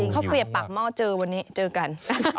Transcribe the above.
ข้าวเกลียบปากหม้อเจอวันนี้เจอกัน